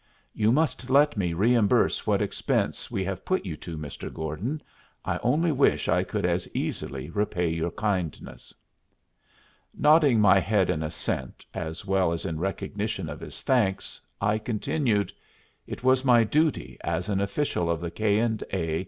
"You must let me reimburse what expense we have put you to, Mr. Gordon. I only wish I could as easily repay your kindness." Nodding my head in assent, as well as in recognition of his thanks, I continued, "It was my duty, as an official of the K. & A.